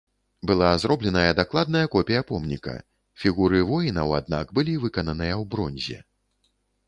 Была зробленая дакладная копія помніка, фігуры воінаў, аднак, былі выкананыя ў бронзе.